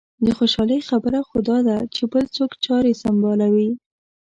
د خوشالۍ خبره خو دا ده چې بل څوک چارې سنبالوي.